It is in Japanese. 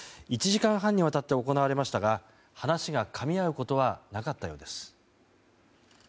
１時間半にわたって行われましたが話がかみ合うことはなかったようです。